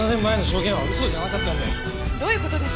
どういう事です？